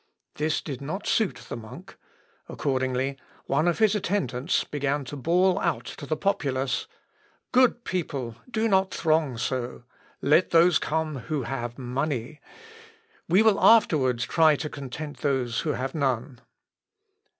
This did not suit the monk; accordingly, one of his attendants began to bawl out to the populace, "Good people, do not throng so! Let those come who have money. We will afterwards try to content those who have none."